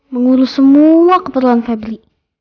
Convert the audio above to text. mengurus semua keperluan pebri